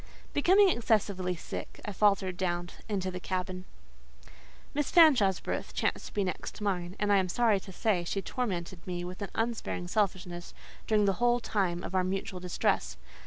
Becoming excessively sick, I faltered down into the cabin. Miss Fanshawe's berth chanced to be next mine; and, I am sorry to say, she tormented me with an unsparing selfishness during the whole time of our mutual distress.